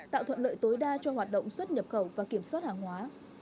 tạo thuận lợi tối đa cho hoạt động xuất nhập khẩu và kiểm soát hàng hóa